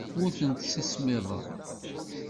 Ur tent-ssismiḍeɣ.